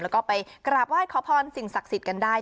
แล้วก็ไปกราบไหว้ขอพรสิ่งศักดิ์สิทธิ์กันได้